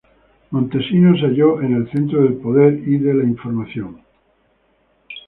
Montesinos se halló en el centro del poder y de la información.